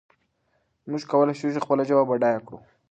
موږ کولای شو خپله ژبه بډایه کړو.